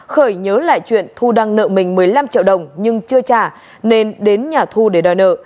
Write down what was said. khởi nhớ lại chuyện thu đang nợ mình một mươi năm triệu đồng nhưng chưa trả nên đến nhà thu để đòi nợ